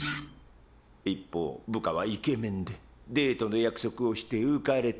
一方部下はイケメンでデートの約束をして浮かれて。